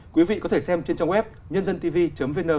quý vị có thể xem trên trang web nhândântv vn